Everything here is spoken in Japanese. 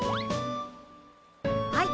はい。